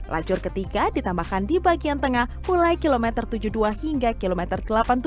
lajur ketiga ditambahkan di bagian tengah mulai kilometer tujuh puluh dua hingga kilometer delapan puluh tujuh